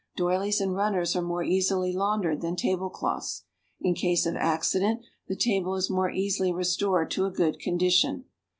Doilies and runners arc more easily laundered than table cloths. In case of accident the taljle is more easily restored to a good condition.